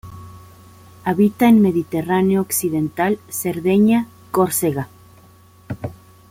Habita en Mediterráneo occidental, Cerdeña, Córcega.